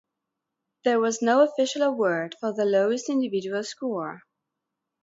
There was no official award for the lowest individual score.